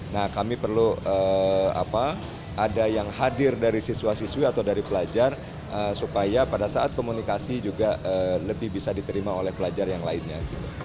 nah kami perlu ada yang hadir dari siswa siswi atau dari pelajar supaya pada saat komunikasi juga lebih bisa diterima oleh pelajar yang lainnya